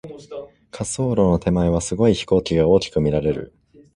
滑走路の手前は、すごい飛行機が大きく見られる。